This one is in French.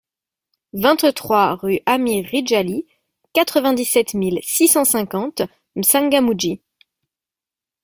vingt-trois rUE AMIR RIDJALI, quatre-vingt-dix-sept mille six cent cinquante M'Tsangamouji